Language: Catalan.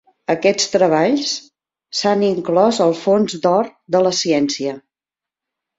Aquests treballs s'han inclòs al fons d'or de la ciència.